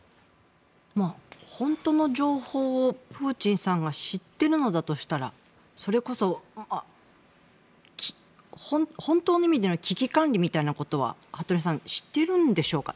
本当の情報をプーチンさんが知ってるのだとしたらそれこそ本当の意味での危機管理みたいなことは服部さん、してるんでしょうか？